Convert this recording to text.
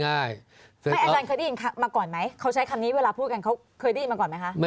อาจารย์เคยได้ยินมาก่อนไหมเขาใช้คำนี้เวลาพูดกันเขาเคยได้ยินมาก่อนไหมคะ